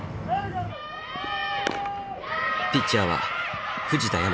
ピッチャーは藤田倭。